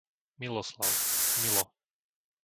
Miloslav, Milo